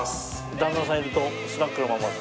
旦那さんいるとスナックのママって。